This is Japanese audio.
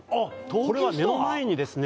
これは目の前にですね